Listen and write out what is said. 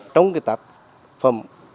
trong cái tạp phẩm